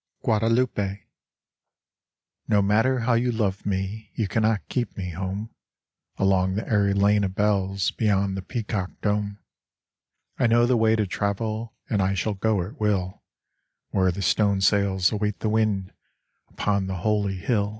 Guadalupe No matter how you love me You cannot keep me home. Along the airy lane of bells Beyond the peacock dome, I know the way to travel And I shall go at will, Where the stone sails await the wind Upon the holy hill.